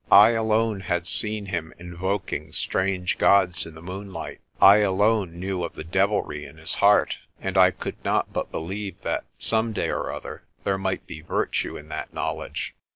I alone had seen him invoking strange gods in the moon light. I alone knew of the devilry in his heart, and I could not but believe that some day or other there might be virtue in that knowledge.